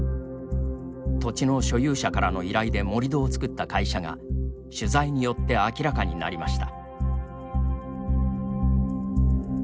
土地の所有者からの依頼で盛り土を作った会社が取材によって明らかになりました。